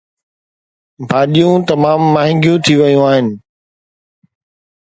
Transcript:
ڀاڄيون تمام مهانگيون ٿي ويون آهن